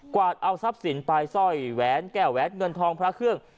วาดเอาทรัพย์สินไปสร้อยแหวนแก้วแหวนเงินทองพระเครื่อง